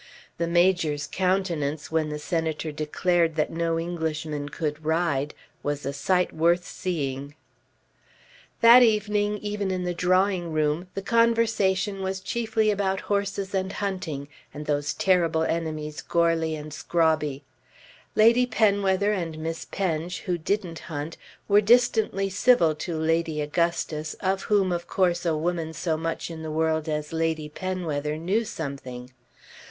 The Major's countenance, when the Senator declared that no Englishman could ride, was a sight worth seeing. That evening, even in the drawing room, the conversation was chiefly about horses and hunting, and those terrible enemies Goarly and Scrobby. Lady Penwether and Miss Penge who didn't hunt were distantly civil to Lady Augustus of whom of course a woman so much in the world as Lady Penwether knew something.